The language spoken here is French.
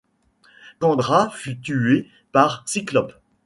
Candra fut tuée par Cyclope.